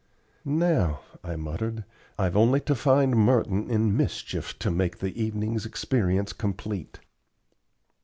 "Now," I muttered, "I've only to find Merton in mischief to make the evening's experience complete."